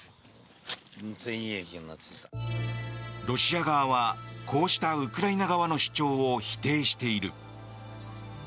ロシア側はこうしたウクライナ側の主張を否定している。